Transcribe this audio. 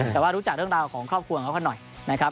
แต่ว่ารู้จักเรื่องราวของครอบครัวของเขาขนาดนี้